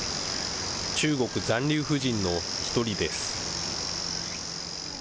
中国残留婦人の１人です。